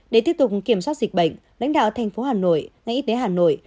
để tiếp tục kiểm soát dịch bệnh lãnh đạo thành phố hà nội ngành y tế hà nội